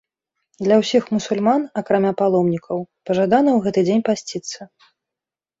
Для ўсіх мусульман, акрамя паломнікаў, пажадана ў гэты дзень пасціцца.